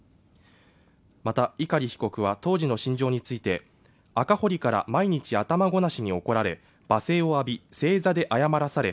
また碇被告は当時の心情について赤堀から毎日頭ごなしに怒られ罵声を浴び正座で謝らされ